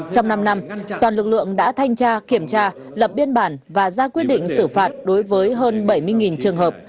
trong năm năm toàn lực lượng đã thanh tra kiểm tra lập biên bản và ra quyết định xử phạt đối với hơn bảy mươi trường hợp